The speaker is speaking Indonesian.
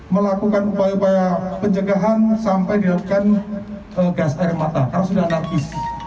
melakukan upaya upaya penjagaan sampai dilakukan gas air mata karena sudah narkis